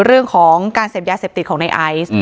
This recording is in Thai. เรื่องของการเสพยาเสพติดของในไอซ์